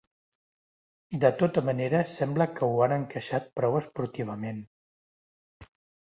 De tota manera, sembla que ho han encaixat prou esportivament.